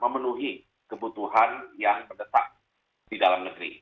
memenuhi kebutuhan yang mendesak di dalam negeri